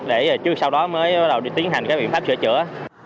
để trước sau đó mới tiến hành cái biện pháp sửa chữa